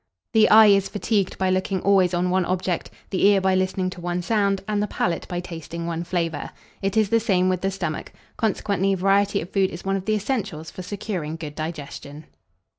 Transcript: The eye is fatigued by looking always on one object, the ear by listening to one sound, and the palate by tasting one flavour. It is the same with the stomach: consequently, variety of food is one of the essentials for securing good digestion.